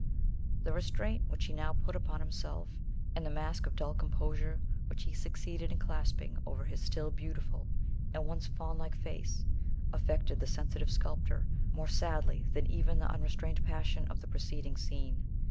The restraint, which he now put upon himself, and the mask of dull composure which he succeeded in clasping over his still beautiful, and once faun like face, affected the sensitive sculptor more sadly than even the unrestrained passion of the preceding scene.